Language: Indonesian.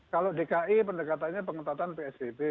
kalau di dki pendekatannya pengutatan psbb